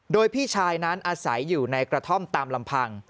โดยพี่ชายนั้นอาศัยอยู่ในกระท่อมตามลำพัง